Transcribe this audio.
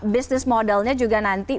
bisnis modelnya juga nanti